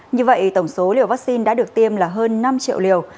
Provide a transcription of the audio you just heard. như vậy tổng số liều vaccine đã được tiêm là hơn năm triệu liều